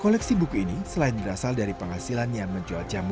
koleksi buku ini selain berasal dari penghasilan yang menjual zammu